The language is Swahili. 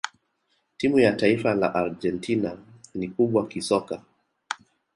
timu ya taifa la argentina ni kubwa kisoka